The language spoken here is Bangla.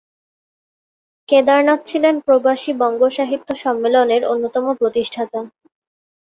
কেদারনাথ ছিলেন ‘প্রবাসী বঙ্গ-সাহিত্য সম্মেলন’র অন্যতম প্রতিষ্ঠাতা।